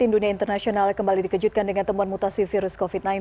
dunia internasional kembali dikejutkan dengan temuan mutasi virus covid sembilan belas